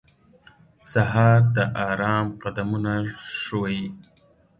سهار د آرام قدمونه ښووي.